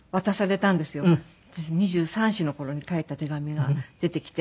私が２３２４の頃に書いた手紙が出てきて。